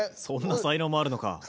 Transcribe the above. そんな才能もあるのか。